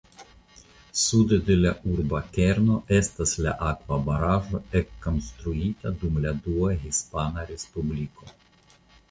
Sude de la urba kerno estas la akvobaraĵo ekkonstruita dum la Dua Hispana Respubliko.